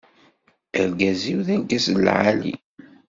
Argaz-iw d argaz lɛali.